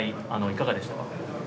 「いかがでしたか？」。